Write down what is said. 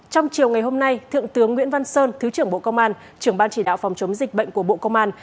trong chiều ngày hôm nay thượng tướng nguyễn văn sơn thứ trưởng bộ công an trưởng ban chỉ đạo phòng chống dịch bệnh của bộ công an